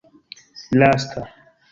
lasta